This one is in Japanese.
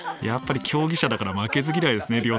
やっぱり競技者だから負けず嫌いですね